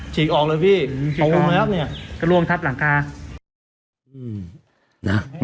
ฉีกออกเลยพี่อืมฉีกออกเลยครับเนี้ยกระลวงทับหลังกา